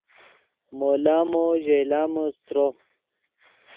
مو لامو ژئے لامے استرو